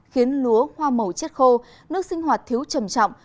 khiến lúa hoa màu chết khô nước sinh hoạt thiếu trầm trọng